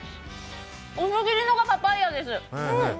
細切りのがパパイヤです。